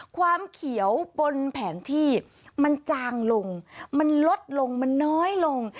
ความเขียวบนแผนที่มันจางลงมันลดลงมันน้อยลง